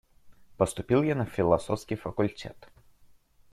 Поступил я на философский факультет.